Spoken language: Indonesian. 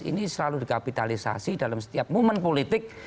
ini selalu dikapitalisasi dalam setiap momen politik